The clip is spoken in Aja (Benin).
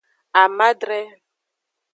Amadre.